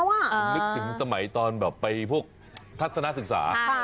คุณลึกถึงตอนสมัยเพื่อไปพวกทัศณะศึกษา